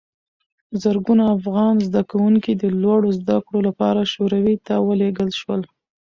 زرګونه افغان زدکوونکي د لوړو زده کړو لپاره شوروي ته ولېږل شول.